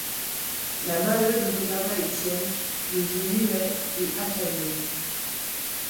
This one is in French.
La Maheude regarda Étienne, le vit muet et accablé.